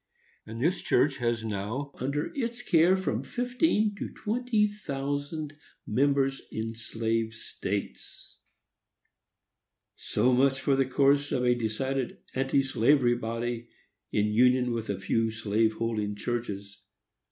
and this church has now under its care from fifteen to twenty thousand members in slave states. So much for the course of a decided anti slavery body in union with a few slave holding churches.